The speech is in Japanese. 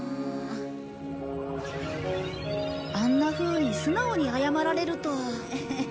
あんなふうに素直に謝られると。